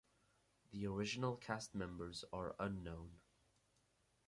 The original cast members are unknown.